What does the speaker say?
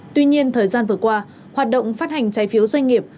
tuy nhiên thời gian vừa qua hoạt động phát hành trái phiếu doanh nghiệp